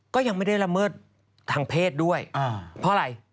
ก็ยังไม่ได้ละเมิดทางเพศด้วยเพราะอะไร